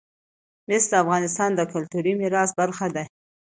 مس د افغانستان د کلتوري میراث برخه ده.